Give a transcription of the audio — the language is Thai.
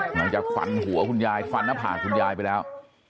หลังจากฟันหัวคุณยายฟันหน้าผากคุณยายไปแล้ว